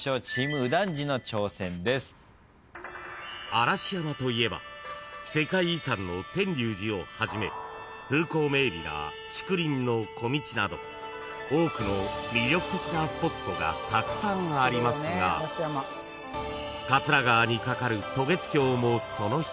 ［嵐山といえば世界遺産の天龍寺をはじめ風光明媚な竹林の小径など多くの魅力的なスポットがたくさんありますが桂川に架かる渡月橋もその一つ］